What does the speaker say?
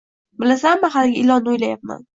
— Bilasanmi... haligi... ilonni o‘ylayapman.